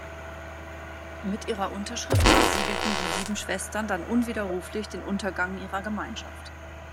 Mit ihrer Unterschrift besiegelten die sieben Schwestern dann unwiderruflich den Untergang ihrer Gemeinschaft.